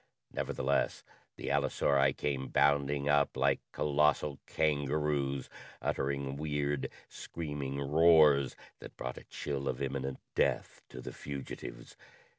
Nevertheless, the allosauri came bounding up like colossal kangaroos, uttering weird, screaming roars that brought a chill of imminent death to the fugitives.